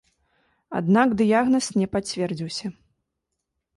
Аднак дыягназ не пацвердзіўся.